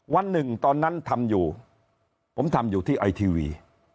วันหนึ่งตอนนั้นทำอยู่ผมทำอยู่ที่ไอทีวี